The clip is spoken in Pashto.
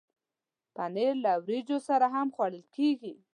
پنېر له وریجو سره هم خوړل کېږي.